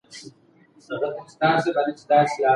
که نجونې ورزشگاه جوړ کړي نو لوبه به نه وي بنده.